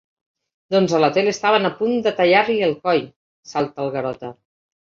Doncs a la tele estaven a punt de tallar-li el coll —salta el Garota.